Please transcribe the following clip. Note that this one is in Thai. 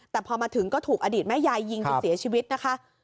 แต่พอมาถึงก็ถูกอดีตแม่ยายยิงจนเสียชีวิตนะคะ